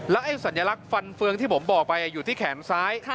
ไอ้สัญลักษณ์ฟันเฟืองที่ผมบอกไปอยู่ที่แขนซ้าย